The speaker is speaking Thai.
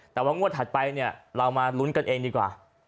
แต่ว่างวดถัดไปเนี่ยเรามาลุ้นกันเองดีกว่า